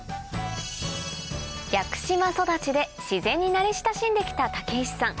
屋久島育ちで自然に慣れ親しんできた武石さん